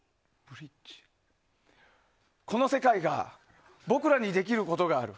この世界が僕らにできることがある。